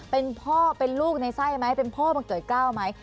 เป็นพ่อเป็นลูกในไส้ไหมเป็นพ่อบังเกิดเก้าไหม